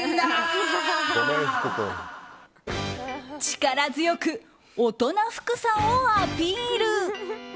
力強く、大人福さんをアピール。